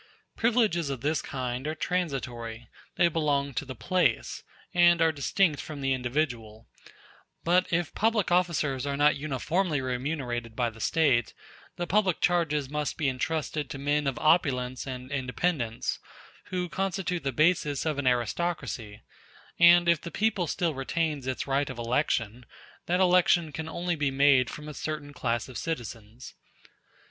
Privileges of this kind are transitory; they belong to the place, and are distinct from the individual: but if public officers are not uniformly remunerated by the State, the public charges must be entrusted to men of opulence and independence, who constitute the basis of an aristocracy; and if the people still retains its right of election, that election can only be made from a certain class of citizens.